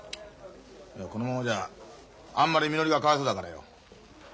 いやこのままじゃああんまりみのりがかわいそうだからよ。